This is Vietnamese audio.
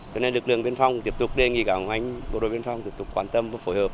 cho nên lực lượng biên phòng tiếp tục đề nghị các anh bộ đội biên phòng tiếp tục quan tâm và phối hợp